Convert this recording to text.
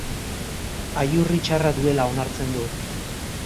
Aiurri txarra duela onartzen du.